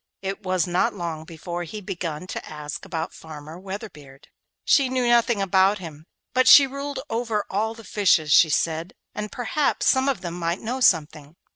It was not long before he began to ask about Farmer Weatherbeard. She knew nothing about him, but she ruled over all the fishes, she said, and perhaps some of them might know something.